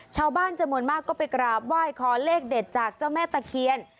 ชาวบ้านจำนวนมากก็ไปกราบไหว้ขอเลขเด็ดจากเจ้าแม่ตะเคียน